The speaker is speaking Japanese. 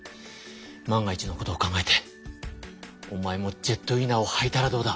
万が一のことを考えておまえもジェットウィナーをはいたらどうだ？